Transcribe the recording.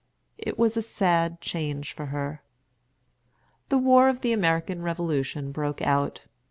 It was a sad change for her. The war of the American Revolution broke out.